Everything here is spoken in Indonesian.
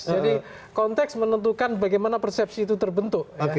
jadi konteks menentukan bagaimana persepsi itu terbentuk